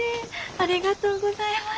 ありがとうございます。